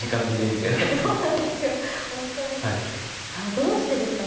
どうしてですかね。